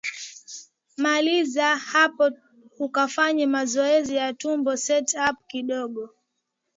maliza hapo ukafanya mazoezi ya tumbo set up kidogo